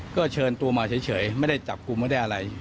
ก็เชิญตัวมาเฉยไม่ได้จับกลุ่มไม่ได้อะไร